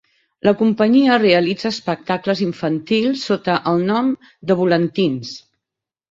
La companyia realitza espectacles infantils sota el nom de Volantins.